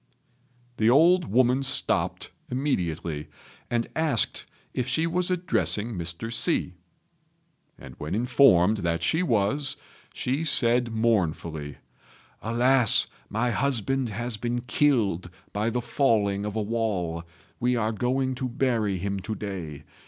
The old woman stopped immediately, and asked if she was addressing Mr. Hsi; and when informed that she was, she said mournfully, "Alas! my husband has been killed by the falling of a wall. We are going to bury him to day.